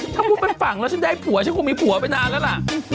ถ้าพูดเป็นฝั่งแล้วฉันได้ผัวฉันคงมีผัวไปนานแล้วล่ะ